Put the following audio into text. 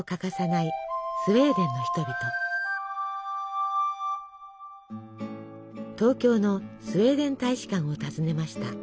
東京のスウェーデン大使館を訪ねました。